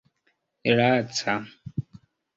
laca